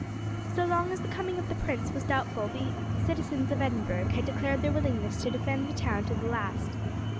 So long as the coming of the prince was doubtful the citizens of Edinburgh had declared their willingness to defend the town to the last.